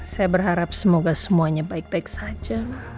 saya berharap semoga semuanya baik baik saja